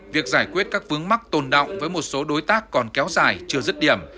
việc giải quyết các vướng mắc tồn động với một số đối tác còn kéo dài chưa dứt điểm